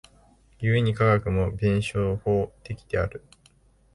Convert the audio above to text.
故に科学も弁証法的である。